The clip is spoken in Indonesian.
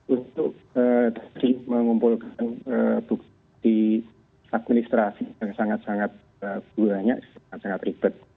untuk tadi mengumpulkan bukti administrasi yang sangat sangat banyak sangat sangat ribet